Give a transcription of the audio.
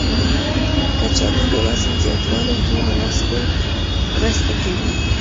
کچالو د وزن زیاتولو کې مرسته کوي.